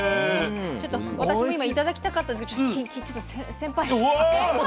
ちょっと私も今頂きたかったんですけどちょっと先輩先輩！